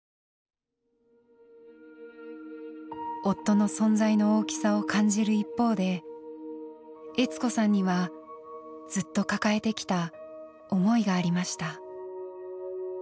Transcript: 夫の存在の大きさを感じる一方で悦子さんにはずっと抱えてきた思いがありました。